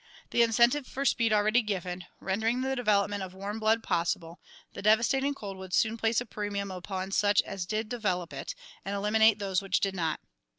The incentive for speed already given, rendering the development of warm blood possible, the devastating cold would soon place a premium upon such as did develop it and eliminate those which did not.